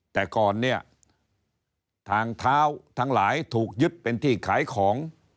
แต่ก่อนเนี่ยทางเท้าทั้งหลายถูกยึดเป็นที่ขายของ